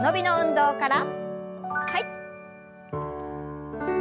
はい。